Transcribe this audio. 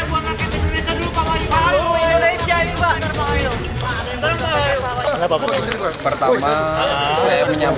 kok masalahnya bukan masalah problem upang